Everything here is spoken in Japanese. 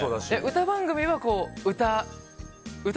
歌番組は歌。